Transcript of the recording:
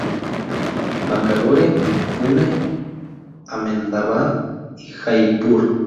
Bangalore, Pune, Ahmedabad y Jaipur.